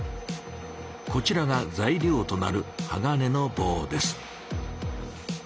こちらが材料となる鋼の棒です。